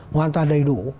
hoàn toàn đầy đủ